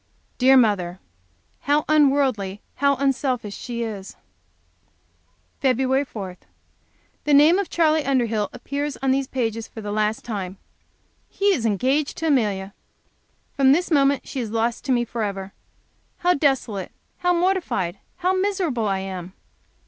Dear mother! How unworldly, how unselfish she is! Feb. 4. The name of Charley Underhill appears on these pages for the last time. He is engaged to Amelia! From this moment she is lost to me forever. How desolate, how mortified, how miserable I am!